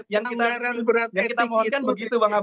yang kita mohonkan begitu bang abalin